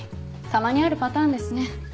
たまにあるパターンですね。